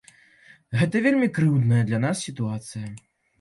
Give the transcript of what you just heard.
Гэта вельмі крыўдная для нас сітуацыя.